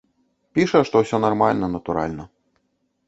Піша, што ўсё нармальна, натуральна.